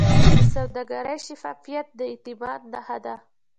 د سوداګرۍ شفافیت د اعتماد نښه ده.